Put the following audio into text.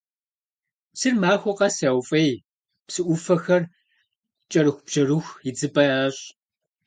Псыр махуэ къэс яуфӀей, псы Ӏуфэхэр кӀэрыхубжьэрыху идзыпӀэ ящӀ.